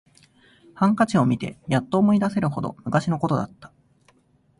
ハンカチを見てやっと思い出せるほど昔のことだった